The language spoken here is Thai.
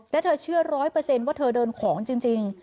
และเธอเชื่อ๑๐๐ว่าเธอเดินของจริง